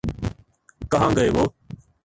کہاں گئے وہ؟